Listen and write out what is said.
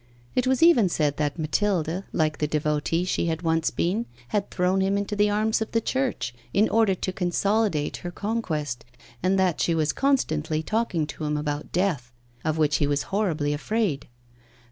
It was even said that Mathilde, like the devotee she had once been, had thrown him into the arms of the Church, in order to consolidate her conquest, and that she was constantly talking to him about death, of which he was horribly afraid.